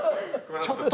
「ちょっと！」